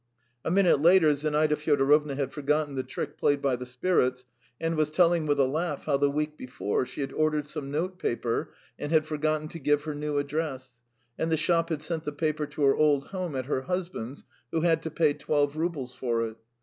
A minute later Zinaida Fyodorovna had forgotten the trick played by the spirits, and was telling with a laugh how the week before she had ordered some notepaper and had forgotten to give her new address, and the shop had sent the paper to her old home at her husband's, who had to pay twelve roubles for it.